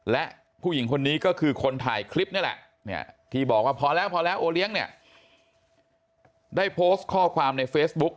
และผู้หญิงคนนี้ก็คือคนถ่ายคลิปนี่แหละที่บอกว่าพอแล้วพอแล้วโอเลี้ยงเนี่ยได้โพสต์ข้อความในเฟซบุ๊ก